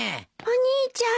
お兄ちゃん。